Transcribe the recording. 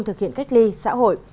thực hiện cách ly xã hội